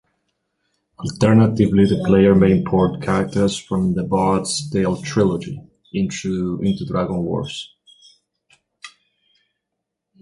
Alternatively, the player may import characters from "The Bard's Tale trilogy" into "Dragon Wars".